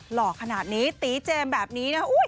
หล่อขนาดนี้ตีเจมส์แบบนี้นะ